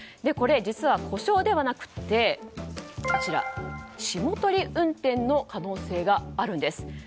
これは実は故障ではなくて霜取り運転の可能性があるんです。